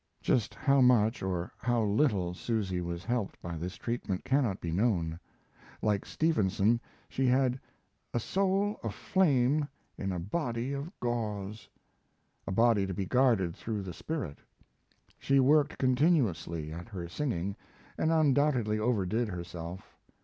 Just how much or how little Susy was helped by this treatment cannot be known. Like Stevenson, she had "a soul of flame in a body of gauze," a body to be guarded through the spirit. She worked continuously at her singing and undoubtedly overdid herself.